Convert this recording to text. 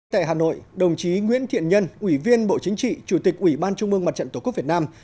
tại hà nội đồng chí nguyễn thiện nhân ủy viên bộ chính trị chủ tịch ủy ban trung mương mặt trận tổ quốc việt nam